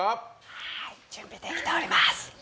はーい、準備できております